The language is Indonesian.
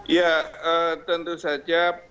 ya tentu saja